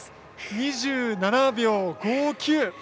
２７秒５９。